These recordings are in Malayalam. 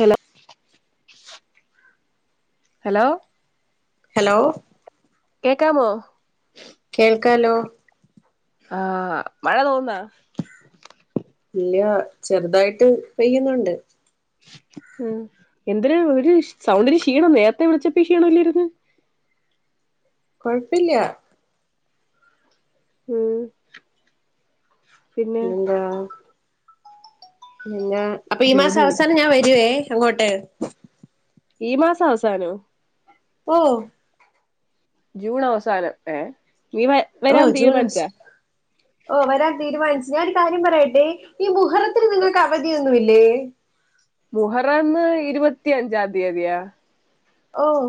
ഹലോ ഹലോ ഹലോ കേൾക്കാമോ കേൾക്കാലോ ആ മഴ തോർന്ന ഇല്ല ചെറുതായിട്ട് പെയ്യുന്നുണ്ട് ആ എന്തരു ഒരു സൗണ്ടര് ക്ഷീണം നേരത്തെ വിളിച്ചപ്പോ ഇ ക്ഷീണില്ലരുന്ന് കൊഴപ്പില്ല ഉം പിന്നെ എന്താ പിന്നാ അപ്പൊ ഈ ജ്യോതി മാസം വിളിക്കുന്നു അവസാനം ഞാൻ വരുവേ അങ്ങോട്ട് ഈ മാസം അവസാനോ ഓഹ് ജൂൺ അവസാനം ഏഹ് നീ വ ഓ വരാൻ ജൂണസ് തീരുമാനിച്ചാ ഓ വരാൻ തീരുമാനി ഞാനൊ ഒരു കാര്യം പറയട്ടെ ഈ മുഹറത്തിൽ നിങ്ങൾക്ക് അവധിയൊന്നുല്ലേ മുഹറന്ന് ഇരുപത്തിയഞ്ചാം തീയതിയാ ഓഹ്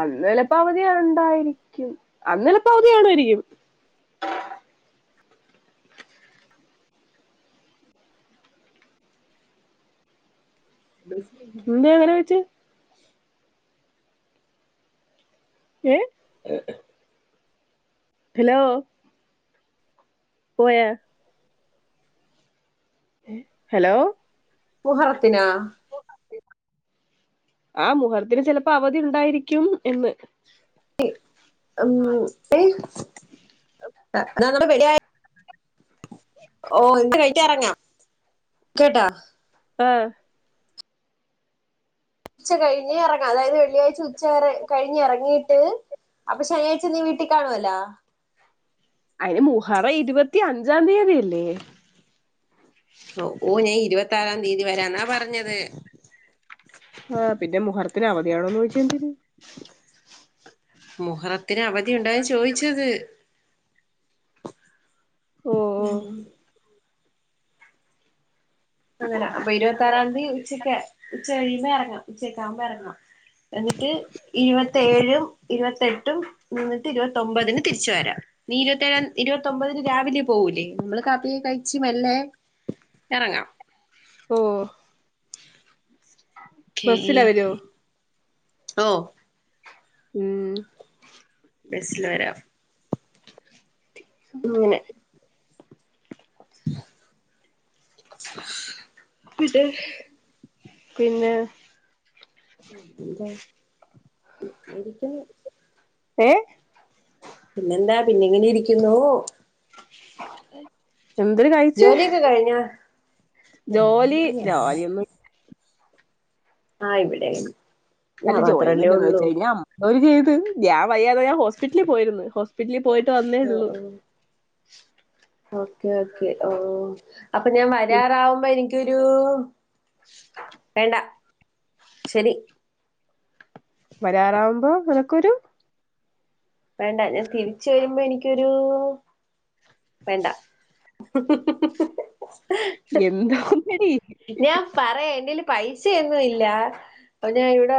അന്ന്ല പ്പൊ അവധി ണ്ടായിരിക്കും അന്നിലപ്പ അവധിടയിരിക്കും. [unintelligible] ലുസ് ന്തേ ങ്ങനെ വെച്ച്.? ഏഹ് [unintelligible] ഹലോ പോയ? ഹലോ മുഹറത്തിനാ? ആ മുഹത്തിന് ചെലപ്പോ അവധി ണ്ടായിരിക്കും എന്ന്. ഉം ഏഹ് അ മ്മടെ വെടിയ് ഓ ണ്ട് കഴിക്ക എറങ്യോ കേട്ടാ.? ആഹ് ഉച്ച കഴിഞ്ഞ് എറങ്ങാം അതായത് വെള്ളിയാഴ്ച ഉച്ച വരെ കഴിഞ് എറങ്ങിട്ട് അപ്പൊ ശനിയാഴ്ച നീ വീട്ടി കാണുവലാ? അയിന് മുഹറ ഇരുപത്തി അഞ്ചാ തീയതിയല്ലേ? ഓ ന് ഇരുപത്ത ആറാം തീതി വരാന്നാ പറഞ്ഞത്. ആഹ് പിന്നെ മുഹറത്തിന് അവധിയാണോന്ന് ഓയ് ന്തിന്? മുഹറത്തിന് അവധിയു ണ്ടോ ചോയിച്ചത്. ഓഹ് ഓഹ് മ് അങ്ങന അപ്പൊ ഇരുപത്ത ആറാം തീ ഉച്ചയ്ക്ക് ഉച്ച കഴിയുമ്പോ എറങ്ങാം ഉച്ചക്കകുമ്പോ എറങ്ങാം എന്നിട്ട് ഇരുപതെഴും ഇരുപത്തെട്ടും നിന്ന്ട്ട് ഇരുപതൊമ്പതിന് തിരിച്ച് വെരാം നീ ഇരുപത്തെഴ ഇരുപത്തോമ്പതിന് രാവിലെ പോവൂലെ മ്മള് കപ്പി കയിച്ച് മെല്ലെ എറങ്ങാം. ഓഹ് ബസ്സില വരോ? ഓഹ് മ്. ബെസ് ല വെരാ. [inaudible] പിന്നെ ഏഹ് - പിന്നെ? [unintelligible] എലി പനി ഏഹ്? പിന്നെന്താ, പിന്നെ ഇങ്ങനിരിക്കുന്നു. [inaudible] എന്തര് കഴിച്ച് ജോലിയൊക്കെ കഴിഞ്ഞോ ഏ ജോലി ഞാ ട്ടോ ജോലിയൊന്നും ആഹ് ഇവിടെയും അല്ല, ജോലിയോന്നുല്ലന്ന് [unintelligible] ഞ്ഞം ജോലി ചെയ്ത്. ഞാൻ വയ്യാതായ ഞാൻ ഹോസ്പിറ്റലിൽ പോയിര്ന്ന്, ഹോസ്പിറ്റലിൽ പോയിട്ട് വന്നേ ആ ഉള്ളു ആ [inaudible] ഓക്കെ, ഓക്കെ ഓഹ്, അപ്പൊ ഞാൻ വരാറാവുമ്പോ എനിക്കൊരൂ വേണ്ടാ, ശെരി വരാറാവുമ്പോ നിനക്കൊരു വേണ്ട. ഞാൻ തിരിച്ച് വരുമ്പോ എനിക്കൊരൂ വേണ്ടാ [unintelligible] എന്താന്നടി ഞാൻ പറയ, എന്റെല് പൈസയൊന്നും ഇല്ല അപ്പൊ ഞാൻ ഇവിടെ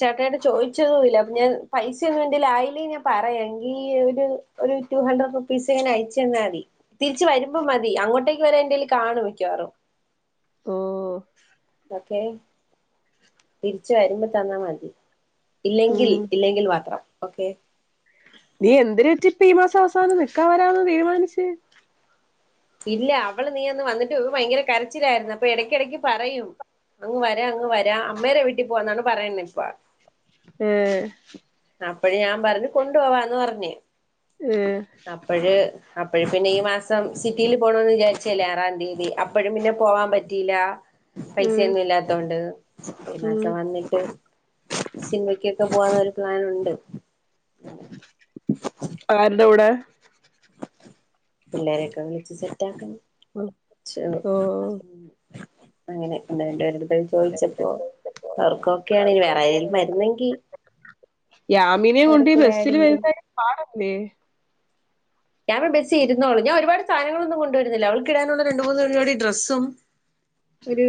ചേട്ടായിയോട് ചോയ്ച്ചതുല്ല, അപ്പൊ ഞാൻ പൈസ ഒന്നും എന്റെ ലായില്ലെങ്കി ഞാൻ പറയാ എങ്കി ൽ ഒരു, ഒരു ടു ഹണ്ടർ റുപ്പീസ് ഞാൻ അയച്ചന്നാതി. തിരിച്ച് വരുമ്പോ മതി അങ്ങോട്ടേക്ക് വരാ ന്റെ യ്യ് കാണും മിക്ക്യവാറും ഓഹ് ഒക്കെ, തിരിച്ച് വരുമ്പോ തന്നാ മതി. ഇല്ലെങ്കിൽ ഉം ഇല്ലെങ്കിൽ മാത്രം, ഓക്കെ. നീ എന്തിനറ്റി ഇപ്പം ഈ മാസവസാനം നിക്കാം വരാന്ന് തീരുമാനിച്ച് ഇല്ല അവള് നീയന്ന് വന്നിട്ട് ഓൾ ഭയങ്കര കരച്ചിലായിരുന്നു. അപ്പൊ എ എടക്കെടക്ക് പറയും അങ്ങ് വരാ, അങ്ങ് വരാ, അമ്മേടെ വീട്ടിൽ പോവാന്നാണ് പറയ്ന്നേ ഇപ്പോ ഏഹ് അപ്പഴെ ഞാൻ പറഞ്ഞ്, കൊണ്ടു പോവാന്ന് പറഞ്ഞ് ഏഹ് അപ്പഴ് അപ്പഴ് പിന്നെ ഈ മാസം സിറ്റിയില് പോണം ന്ന് വിചാരിച്ചല്ലേ ആറാം തീയതി അപ്പഴും പിന്നെ പോവാൻ പറ്റീല്ല ഉം പൈസയൊന്നും ഇല്ലാത്തോണ്ട്. ഉം മാസം വന്നിട്ട് സിനിമയ്ക്ക് ഒക്കെ പോകണം ഒരു പ്ലാനുണ്ട്. [inaudible] ആരുടെ കൂടെ? പിള്ളേരൊക്കെ വിളിച്ച് സെറ്റാക്കണം ഓഹ്, ഓഹ് അങ്ങനെ [unintelligible] നേരത്തെ ചോദിച്ചപ്പോ ഒർക്കൊക്കെയാണ് വേറെ ആരെലും വരുന്നെങ്കി യാമിനേ അവരെ കൊണ്ട് ഈ കൂടെ ആഡ് ബസ്സില് ചെയ്ത് വരുന്നെ പാടല്ലേ? യാമി ബെസ്സിലിരുന്നോളും. ഞാൻ ഒരുപാട് സാധങ്ങളൊന്നും കൊണ്ടുവരുന്നില്ല, അവൾക്ക്ടാനുള്ള രണ്ട് മൂന്ന് ജോടി ഡ്രസ്സും ഒര്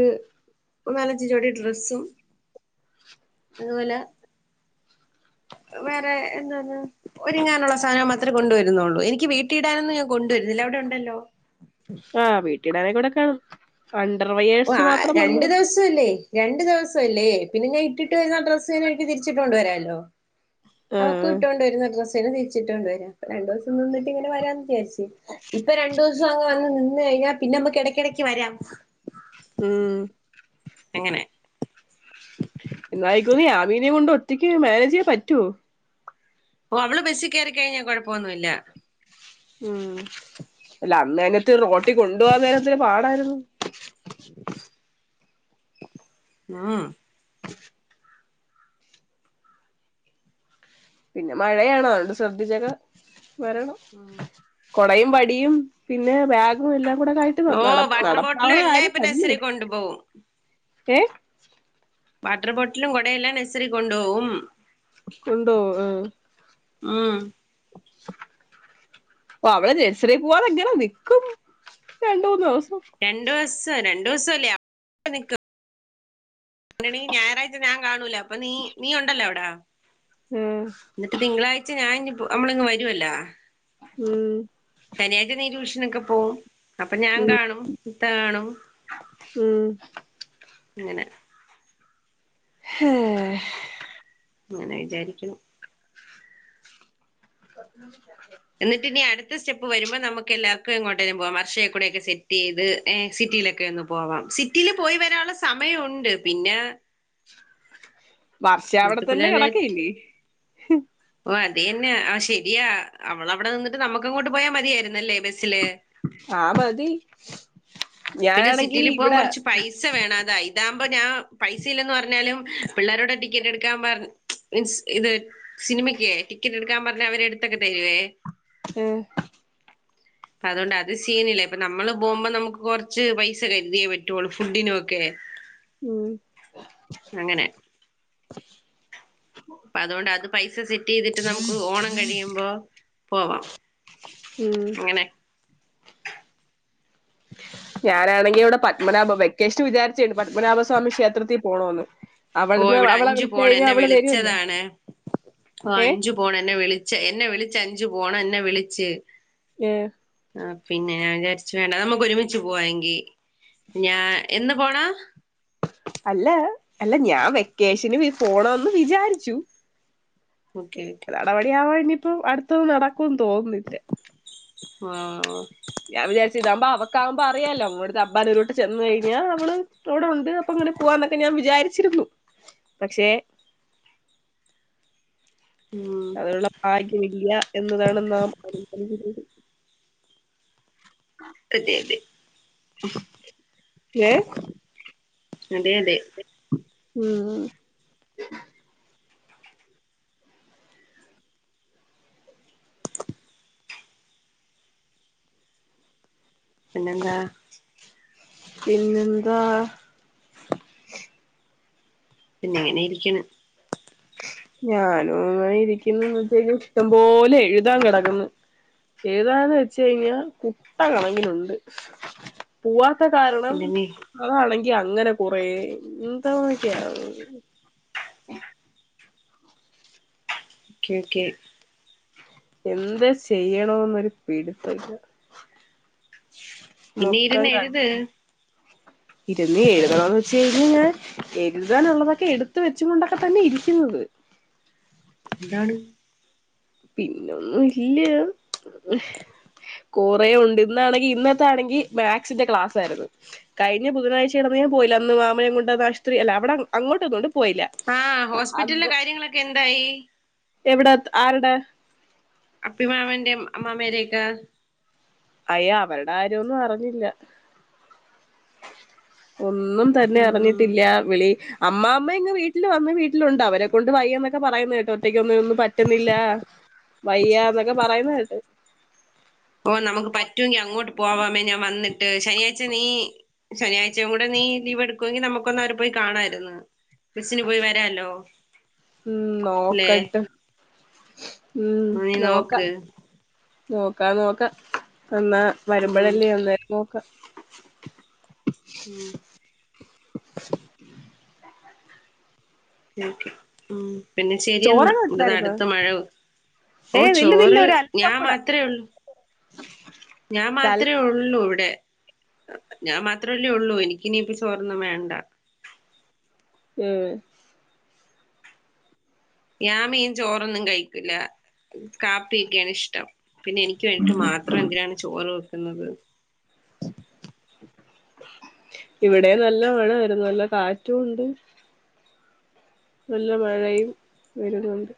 ഒരു നാലഞ്ച് ജോടി ഡ്രസ്സും അതുപോല വേറെ എന്തോന്ന് ഒരുങ്ങാനുള്ള സാധനം മാത്രേ കൊണ്ട് വരുന്നൊള്ളൂ. എനി നിക്ക് വീട്ടിടാനൊന്നും ഞാൻ കൊണ്ടുവരുന്നില്ല, അവിടെ ഉണ്ടല്ലോ ആഹ്, വീട്ടീടാനിവിടൊക്കെ ഒ ആഹ്, രണ്ട് ദിവസ്സുല്ലേ, രണ്ടു ദിവസല്ലേ പിന്നെ ഞാൻ ഇട്ടിട്ട് വരുന്ന ആ ഡ്രസ്സും അതെനിക്ക് തിരിച്ചിട്ടു കൊണ്ട് വരാല്ലോ, അവക്കും ആഹ് ഇട്ടൊണ്ട് വരുന്ന ഡ്രസ്സ് പിന്നെ തിരിച്ചിട്ടോണ്ട് വരാ, അപ്പൊ രണ്ടോസം നിന്നിട്ടിങ്ങനെ വരാന്ന് വിചാരിച്ച്. ഇപ്പൊ രണ്ടുസം അവ വന്ന് നിന്ന് ൽ പിന്നെ നമുക്കിടക്കിടക്ക് വരാം ഉം എങ്ങനെ എന്നായിക്കുമി യാമീനെ കൊണ്ട് ഒറ്റക്ക് മേനേജയ്യാൻ പറ്റോ? ഓഹ്, അവള് ബസ്സിൽ കയറി കഴിഞ്ഞാ കൊഴപ്പൊന്നുല്ല. ഉം, അല്ല അന്നേനത്ത് റോട്ടിൽ കൊണ്ട് പോവാൻ നേരത്ത് പാടായിരുന്നു [inaudible] ആഹ് പിന്നെ മഴയാണോ അതൊണ്ട് ശ്രദ്ധിച്ചൊക്കെ വരണം കൊടയും വടിയും പിന്നെ ബാഗും എല്ലാം കൂടെട്ട് ഓ വാട്ടർ ബോട്ടിലും നടപ്പാവുന്ന എല്ലാം ഇപ്പൊ കാര്യല്ലേ നഴ്സറി കൊണ്ടുപോകും ഏ വാട്ടർ ബോട്ടിലും കുടയെല്ലാം നഴ്സറി കൊണ്ടുപോവും ഉണ്ടോ ആഹ് ഉം അവിടെ ജഴ്സറി പോവാതെ എങ്ങനെ നിക്കും രണ്ട മൂന്ന് ദിവസം രണ്ടു ദിവസം രണ്ടു ദിവസല്ലേ നിക്കും മണി ഞായറാഴ്ച ഞാൻ കാണൂലോ അപ്പൊ നീ നീ ഉണ്ടല്ലോ അവിടാ ഉം എന്നിട്ട് തിങ്കളാഴ്ച ഞാൻ നമ്മളിങ്ങ് വരുവല്ലോ ഉം ശനിയാഴ്ചയാണ് ടൂഷനൊക്കെ പോവും അപ്പൊ ഞാൻ ഉം കാണും ഇത്ത കാണും ഉം അങ്ങനെ ഏഹ് അങ്ങനെ വിചാരിക്കണം [unintelligible] എന്നിട്ട് ഇനി അടുത്ത സ്റ്റെപ്പ് വരുമ്പോ നമു എല്ലാവർക്കും ഇങ്ങോട്ടും പോവാാം വർഷയെ കൂടെ ഒക്കെ സെറ്റ് ചെയ്ത് സിറ്റിയിലൊക്കെ ഒന്ന് പോവാം സിറ്റിൽ പോയി വരാനുള്ള സമയമുണ്ട് പിന്നെ വർഷ അവിടെ തന്നെ മുത്തുപിലാലെ കടക്കല്ലേ അതിന്നെ ആ ശരിയാ അവള അവിടെ നിന്നിട്ട് നമുക്ക് അങ്ങോട്ട് പോയാ മതിയായിരുന്നുല്ലേ ബ ആഹ വധി പിന്നെ സിറ്റിൽ പോകാൻ കുറച്ച് പൈസ വേണം അതാ ഇതാകുമ്പോ ഞാൻ പൈസ ഇല്ലന്ന് പറഞ്ഞാലും പിള്ളേരോടെ ടിക്കറ്റ് എടുക്കാൻ പറഞ്ഞ മീൻസ് ഇത് സിനിമക്ക് ടിക്കറ്റ് എടുക്കാൻ പറഞ്ഞ അവരെ എടുത്തൊക്കെ തരുവേ ഏ അപ്പ അതുകൊണ്ട് അത് സീനല്ല ഇപ്പ നമ്മള് പോകുമ്പോ നമുക്ക് കൊറ കുറച്ച് പൈസ കരുതയേ പറ്റുള്ളൂ ഫുഡിനുംക്കെ ഉം [inaudible] അപ്പ അതുകൊണ്ട് അത് പൈസ സെറ്റ് ചെയ്തിട്ട് നമുക്ക് ഓണം കഴിയുമ്പോ പോവാം ഉം അങ്ങനെ [inaudible] ഞാനാണെങ്കി ഇവിടെ പത്മനാഭ വെക്കേഷൻ വിചാരിച്ചിട്ടുണ്ട് പത്മനാഭസ്വാമി ക്ഷേത്രത്തിൽ പോണോന്ന് ഓ അവിടുന്ന് ഇവിടെ അവളെ അഞ്ചു വിളിച്ച പോണം കഴിഞ്ഞഞ് എന്നെ അവള് വരൂല്ലേ വിളിച്ചതാണ് ഓ അഞ്ചു പോണ എന്നെ വിളിിച്ച എന്നെ വിളിിച്ച അഞ്ചു പോണ എന്നെ വിളിച് ഏ ആ പിന്നെ ഞാൻ വിചാരിച്ച വേണ്ട നമുക്ക് ഒരുമിച്ച് പോവാ എെങ്കി ഞാ എന്ന് പോണ അല്ല അല്ല ഞാൻ വെക്കേഷന് പോണംന്ന് വിചാരിച്ചു ഓക്കെ ഓക്കെ നടപടി ആവാ ഇനിയിപ്പോ അടുത്തൊന്നും നടക്കുംന്ന് തോന്നുന്നില്ല ആഹ ഞാൻ വിചാരിച്ച ഇതാവുമ്പ അവക്കകുമ്പോ അറിയല്ലോടുത്തെ അ്ബാനരുോട്ടത് ചെന്നുകഴിഞ്ഞാൽ അവൾ അവിടെ ഉണ്ട് അപ്പൊ [unintelligible] അങ്ങനെ പോവാന്നൊക്കെ ഞാൻ വിചാരിച്ചിരുന്നു പക്ഷെ ഉം അതിനുള്ള ഭാഗ്യമില്ല എന്നതാണ് നാം അഭിമാനിക്കുന്നത് അതെ അതെ ഏ അതെ അതെ ഉം [inaudible] പിന്നെന്താ പിന്നെന്താ പിന്നെ എങ്ങനെ ഇരിക്കണ് ഞാനുംങ്ങന ഇരിക്കുന്നുന്ന് വച്ച ഇഷ്ടംപോലെ എഴുതാ കിടക്കുന്നു ഏതാന്ന് വെച്ച കഴിഞ്ഞാൽ കുട്ട കണങ്ങിനുണ്ട് പൂവാ. കാരണം പിന്നെ നീ അതാണെങ്ക എ അങ്ങനെ കൊറ എന്താന്നക്ക ഓക്കെ ഓക്കെ എന്താ ചെയ്യണോന്ന്ൊരു പീടിത്തല്ല പിന്നെ മൊത്തം ഇരുന്ന് കാ എഴുത് ഇരുുന്ന എഴുതണംന്ന് വെച്ച കഴിഞ്ഞഞ് ഞാൻ എഴുതാാനുള്ളതൊക്കെ എടുത്ത വെച്ച കൊണ്ടൊക്കെ തന്നെ ഇരിക്കുന്നത് [unintelligible] [inaudible] എന്താണ് പിന്നൊന്നും ഇല്ല കുറെ ഉണ്ട് ഇന്നാണെങ്കിൽ ഇന്നത്തെ ആണെങ്കി മാത്സിന്റെ ക്ലാസ് ആയിരുന്നു കഴിഞ്ഞ ബുധനാഴ്ചയാണ് അ പോയി അന്ന് മാമനെ കൊണ്ടന്ന ആശുത്രി അല്ല അവി അങ്ങോട്ടന്നണ്ട് പോയില്ല ആ ഹോസ്പിറ്റലിലെ അത് കാര്യങ്ങളൊക്കെ എന്തായി എവിട ആരുടെ അപ്പിമാവൻ്റെ അമ്മാ മേരൊക്കെ അയ്യ അവരുടെ ആാര്യൊന്നും അറിഞ്ഞില്ല ഒന്നും തന്നെ ഉം അറിഞ്ഞിട്ടില്ല വിളി അമ്മമ്മാമ്മ ഇങ്ങ് വീട്ടിൽ വന്ന് വീട്ടിലുണ്ട് അവരെ കൊണ്ട് വയ്യ എന്നൊക്കെ പറയുന്നു കേട്ടു ഒറ്റക്ക് കിന്നെ ഒന്നും പറ്റ്ണില്ല വയ്യ എന്നൊക്കെ പറയുന്ന കേട്ടു ഓ നമുക്ക് പറ്റുങ്കി അങ്ങോട്ട് പോവാവമ്മേ ഞാൻ വന്നിട്ട് ശനിയാഴ്ച്ച നീ ശനിയാഴ്ചയും കൂടെ നീ ലീവ് എടുക്കുവെങ്കി നമുക്കൊന്ന് അവര് പോയി കാണായിര്ന്ന് ബസിന് പോയി വരാല്ലോ ഉം ല്ലെ നോക്കട്ട് നീ നോക്ക് നോക്കാ നോക്കാം എന്നാ ഉം വരുമ്പോഴല്ലേ അന്നേരം നോക്കാം ഉ കെ ഉ പിന്നെ ശെരിയെന്നാ ചോറൊക്കെ ഇ വെച്ചായിരുന്നോ ടെട്ത്ത മഴ ഓ ഏയ് നില്ല് നില്ല് ചോറ് ഒരൽപ്പം ഞാൻ കൂടെ മാത്ര ഉള്ളു ഞാൻ ഒരൽ മാത്രമേ ഉള്ളൂ ഇവി പേ ഞാൻ മാത്രല്ലേ ഉള്ളൂ എനിക് നിപ്പോ ചോറോന്നു വേണ്ട ഉം ഞാ മീൻ ചോറൊന്നും കഴിക്കൂല്ല കാപ്പി യിക്കാണ് ഇഷ്ടം പിന്നെ എനിക്ക് വേണ്ടിട്ട് മാത്രം എന്തിനാണ് ചോറ് വെക്കുന്നത് ഇവിടെ അങ്ങനെ നല്ല വേണം ഒരു നല്ല കാറ്റുംണ്ട് നല്ല മഴയും വരുന്നുണ്ട്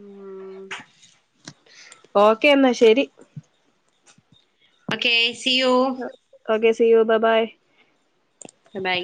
ഉം ഓക്കേ എന്നാ ശരി okay see you see you bye bye by